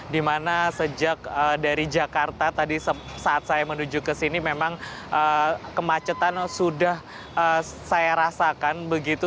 dimana sejak dari jakarta tadi saat saya menuju ke sini memang kemacetan sudah saya rasakan begitu